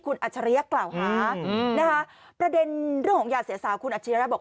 คุณอัจฉริยะกล่าวหานะคะประเด็นเรื่องของยาเสียสาวคุณอัจฉริยะบอก